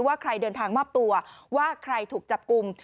ว่าใครเดินทางมอบตัวว่าใครถูกจับกลุ่ม